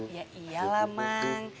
ya iyalah mang